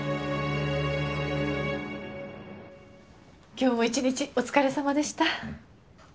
今日も一日お疲れさまでした。